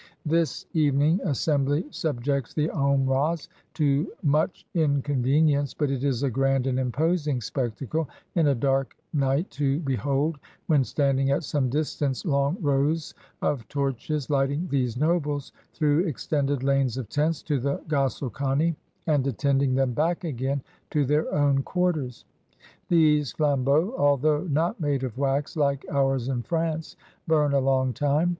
This evening assembly subjects the Omrahs to much incon venience; but it is a grand and imposing spectacle in a dark night to behold, when standing at some distance, long rows of torches lighting these nobles, through ex tended lanes of tents, to the gosle kane, and attending them back again to their o"^ti quarters. These flam beaux, although not made of wax, like ours in France, burn a long time.